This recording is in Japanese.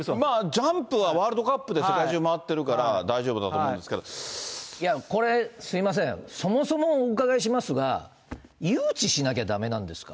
ジャンプはワールドカップで世界中回ってるから大丈夫だと思これ、すみません、そもそもお伺いしますが、誘致しなきゃだめなんですか。